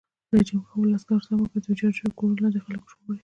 رئیس جمهور خپلو عسکرو ته امر وکړ؛ د ویجاړو شویو کورونو لاندې خلک وژغورئ!